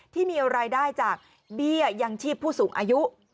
ที่มีรายได้จากเบี้ยยังชีพผู้สูงอายุ